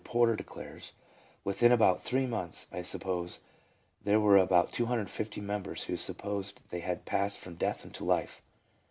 Porter declares : "Within about three months, I suppose there were about 250 members who supposed they had passed from death unto life.